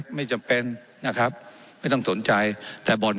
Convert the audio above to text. เจ้าหน้าที่ของรัฐมันก็เป็นผู้ใต้มิชชาท่านนมตรี